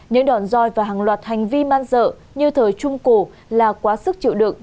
những đòn roi và hàng loạt hành vi man dợ như thời trung cổ là quá sức chịu đựng